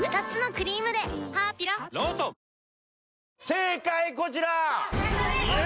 正解こちら！